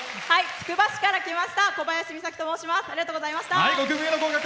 つくば市から来ましたこばやしと申します。